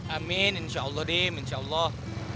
amin insya allah deh insya allah